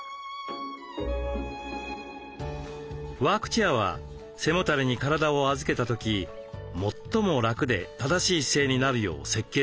ワークチェアは背もたれに体を預けた時最も楽で正しい姿勢になるよう設計されています。